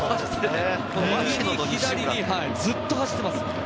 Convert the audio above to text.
右に左にずっと走っています。